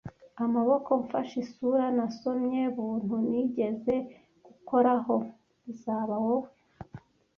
Amaboko mfashe, isura nasomye , buntu nigeze gukoraho , bizaba wowe.